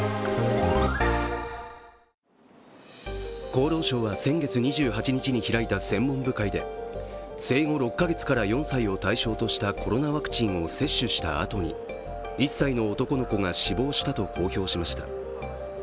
厚労省は先月２８日に開いた専門部会で生後６か月から４歳を対象としたコロナワクチンを接種したあとに１歳の男の子が死亡したと公表しました。